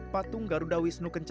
patung garuda wisnu kencana